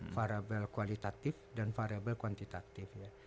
variable kualitatif dan variable kuantitatif